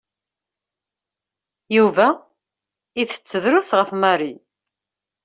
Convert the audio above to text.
Yuba itett drus ɣef Mary.